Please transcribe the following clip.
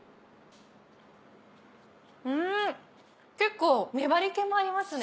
ん結構粘り気もありますね。